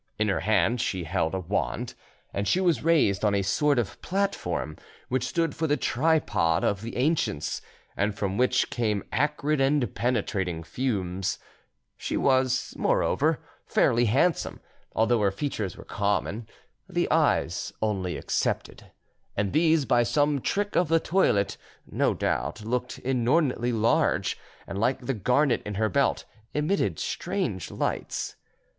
In her hand she held a wand, and she was raised on a sort of platform which stood for the tripod of the ancients, and from which came acrid and penetrating fumes; she was, moreover, fairly handsome, although her features were common, the eyes only excepted, and these, by some trick of the toilet, no doubt, looked inordinately large, and, like the garnet in her belt, emitted strange lights.